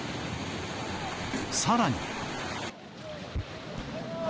さらに。